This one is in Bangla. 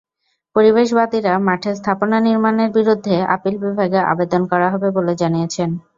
পরিবেশবাদীরা মাঠে স্থাপনা নির্মাণের বিরুদ্ধে আপিল বিভাগে আবেদন করা হবে বলে জানিয়েছেন।